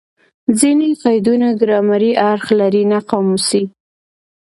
ځیني قیدونه ګرامري اړخ لري؛ نه قاموسي.